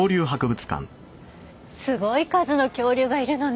すごい数の恐竜がいるのね。